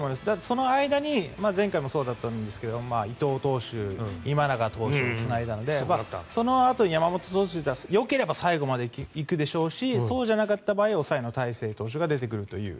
その間に前回もそうだったんですが伊藤投手、今永投手でつないだのでそのあと山本投手がよければ最後まで行くでしょうしそうじゃなかった場合抑えの大勢投手という。